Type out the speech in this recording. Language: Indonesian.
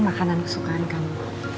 makanan kesukaan kamu